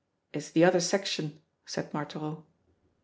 "It's the other section," said Marthereau.